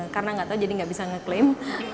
karena nggak tahu jadi nggak bisa nge claim